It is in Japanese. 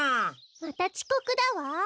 またちこくだわ。